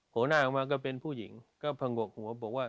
หัวหน้าออกมาก็เป็นผู้หญิงก็ผงกหัวบอกว่า